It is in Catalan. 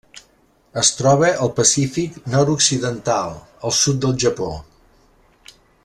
Es troba al Pacífic nord-occidental: el sud del Japó.